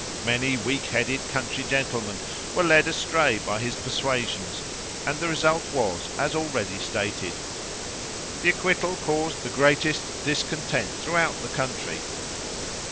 Many weak headed country gentlemen were led astray by his persuasions, and the result was as already stated. The acquittal caused the greatest discontent throughout the country.